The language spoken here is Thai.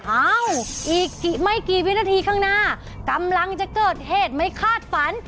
เอ้าอีกไม่กี่วินาทีข้างหน้ากำลังจะเกิดเหตุไม่คาดฝัน